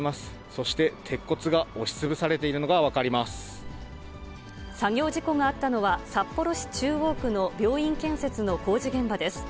そして鉄骨が押し潰されているの作業事故があったのは、札幌市中央区の病院建設の工事現場です。